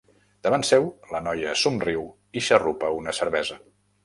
Davant seu, la noia somriu i xarrupa una cervesa.